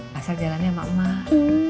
pasar jalannya sama emak